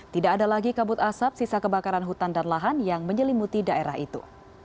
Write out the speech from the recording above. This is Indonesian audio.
tidak ada lagi kabut asap sisa kebakaran hutan dan lahan yang menyelimuti daerah itu